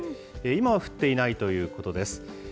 今は降っていないということです。